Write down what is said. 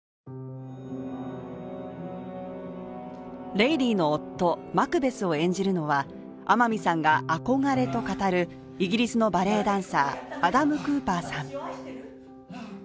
レイディの夫、マクベスを演じるのは天海さんが憧れと語るイギリスのバレーダンサーアダムクーパーさん。